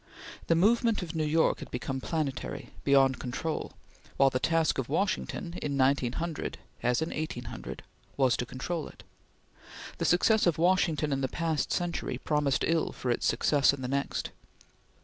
The movement of New York had become planetary beyond control while the task of Washington, in 1900 as in 1800, was to control it. The success of Washington in the past century promised ill for its success in the next.